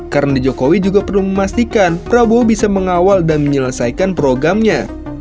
karena jokowi juga perlu memastikan prabowo bisa mengawal dan menyelesaikan programnya